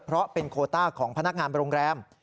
เพราะเป็นโคต้าของพนักงานโรงแรม